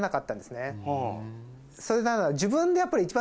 それなら。